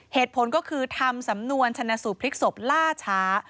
เหตุผลก็คือทำสำนวนชนะสูตรพลิกศพล่าช้า